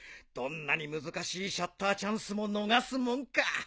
どんなに難しいシャッターチャンスも逃すもんか。